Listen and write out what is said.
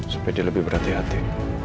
supaya dia lebih berhati hati